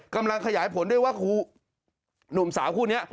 กำลังขยายผลด้วยว่าหนุ่มสาวคู่นี้